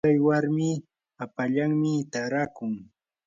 tsay warmi hapallanmi taarakun.